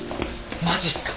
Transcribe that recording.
マジっすか？